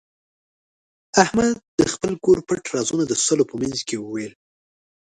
احمد د خپل کور پټ رازونه د سلو په منځ کې وویل.